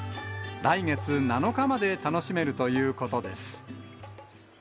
来月７日まで楽しめるということです。